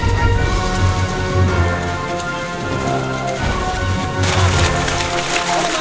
อันนี้ก็คือพูดมาแล้วโปรดนะครับวิทยาลัยพูดหมดแล้วนะครับ